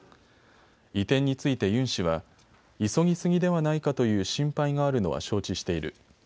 移転についてユン氏は急ぎすぎではないかという心配があるのは承知している。